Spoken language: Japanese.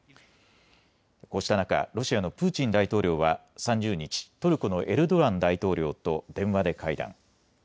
こうした中、ロシアのプーチン大統領は３０日、トルコのエルドアン大統領と電話で会談。